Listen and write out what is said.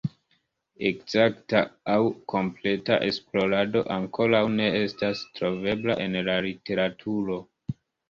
Ekzakta aŭ kompleta esplorado ankoraŭ ne estas trovebla en la literaturo.